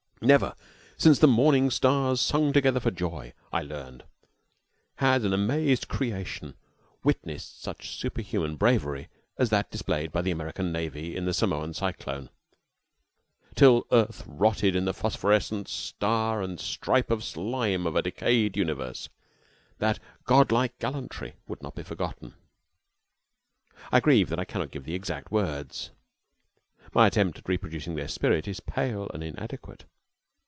Never since the morning stars sung together for joy, I learned, had an amazed creation witnessed such superhuman bravery as that displayed by the American navy in the Samoa cyclone. Till earth rotted in the phosphorescent star and stripe slime of a decayed universe, that god like gallantry would not be forgotten. I grieve that I cannot give the exact words. My attempt at reproducing their spirit is pale and inadequate.